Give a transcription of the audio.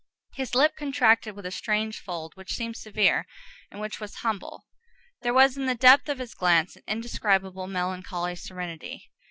His lip contracted with a strange fold which seemed severe, and which was humble. There was in the depth of his glance an indescribable melancholy serenity.